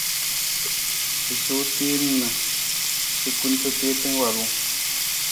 I sowa teen na i kunta tiita waalung.